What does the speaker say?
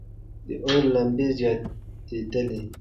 د اور لمبې زیاتېدلې.